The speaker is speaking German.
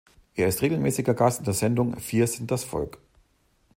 Er ist regelmäßiger Gast in der Sendung "Vier sind das Volk".